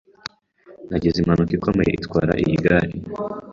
Nagize impanuka ikomeye itwara iyi gare.